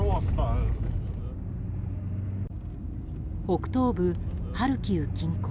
北東部ハルキウ近郊。